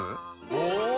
お！